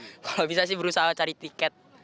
kalau bisa sih berusaha cari tiket